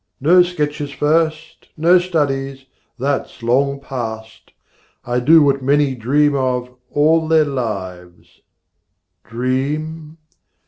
No sketches first, no studies, that's long past: I do what many dream of, all their lives, Dream?